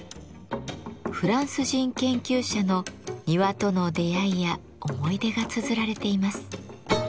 フランス人研究者の庭との出会いや思い出がつづられています。